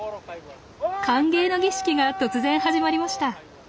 歓迎の儀式が突然始まりました。